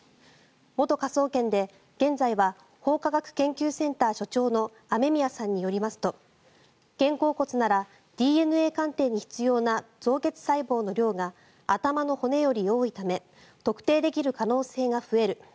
元科捜研で現在は法科学研究センター所長の雨宮さんによりますと肩甲骨ならＤＮＡ鑑定に必要な造血細胞の量が頭の骨より多いため特定できる可能性が増える。